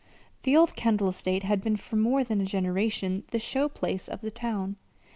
The old Kendall estate had been for more than a generation the "show place" of the town.